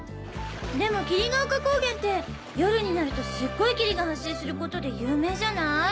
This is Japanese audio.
でも霧ヶ丘高原って夜になるとすっごい霧が発生することで有名じゃない？